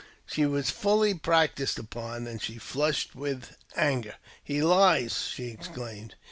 She was fully practiced upon, and she flushed with anger. j"He lies !" she exclaimed.